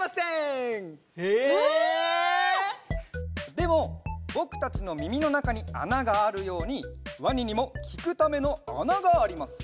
でもぼくたちのみみのなかにあながあるようにワニにもきくためのあながあります。